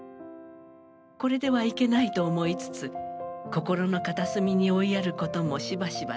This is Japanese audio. これではいけないと思いつつ心の片隅に追いやることもしばしばです。